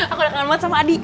aku udah kangen mati sama adi